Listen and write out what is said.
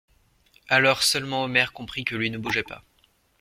Alors seulement Omer comprit que lui ne bougeait pas.